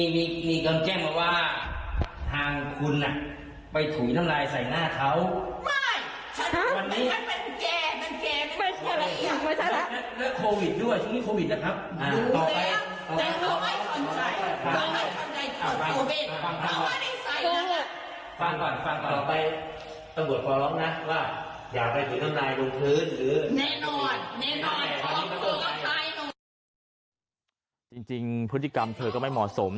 อยากไปถูกน้ำลายบนพื้นหรือแน่นอนแน่นอนจริงจริงพฤติกรรมเธอก็ไม่เหมาะสม